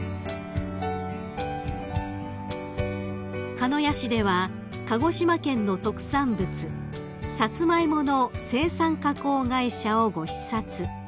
［鹿屋市では鹿児島県の特産物サツマイモの生産加工会社をご視察］